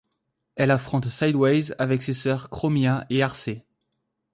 Elle affronte Sideways avec ses sœurs Chromia et Arcee.